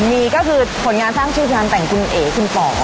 มีก็คือผลงานสร้างชื่องานแต่งคุณเอ๋คุณปอก